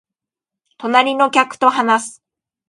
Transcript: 隣の客と話す